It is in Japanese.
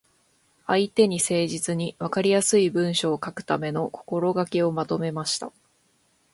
相手に誠実に、わかりやすい文章を書くための心がけをまとめました。